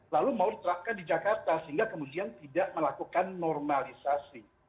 lalu mau diterapkan di jakarta sehingga kemudian tidak melakukan normalisasi